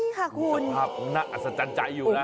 คุณสภาพน่าอัศจรรย์ใจอยู่นะ